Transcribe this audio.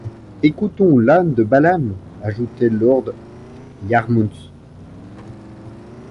Écoutons l’âne de Balaam, ajoutait lord Yarmouth.